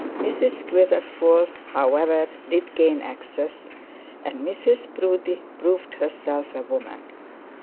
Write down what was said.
Mrs Quiverful, however, did gain access, and Mrs Proudie proved herself a woman.